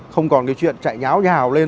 không còn cái chuyện chạy nháo nhào lên